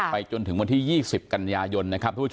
ไปจนถึงวันที่๒๐กันยายน